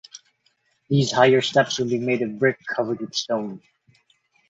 These higher steps would be made of brick covered with stone.